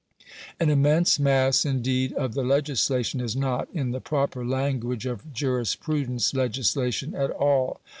An immense mass, indeed, of the legislation is not, in the proper language of jurisprudence, legislation at all.